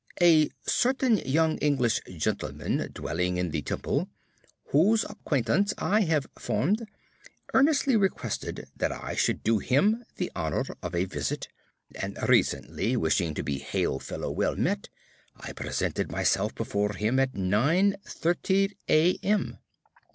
_ A certain young English gentleman, dwelling in the Temple, whose acquaintance I have formed, earnestly requested that I should do him the honour of a visit; and recently, wishing to be hail fellow well met, I presented myself before him about 9.30 A.M.